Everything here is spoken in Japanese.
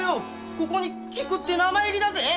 ここに“菊”って名前入りだぜ！